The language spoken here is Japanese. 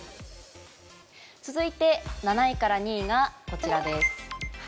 続いて、７位から２位がこちらです。